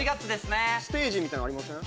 ステージみたいのありません？